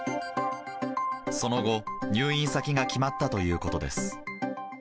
その後、入院先が決まったということです。